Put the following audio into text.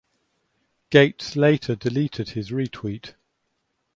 Gaetz later deleted his retweet.